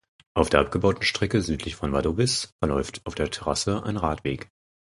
Auf der abgebauten Strecke südlich von Wadowice verläuft auf der Trasse ein Radweg.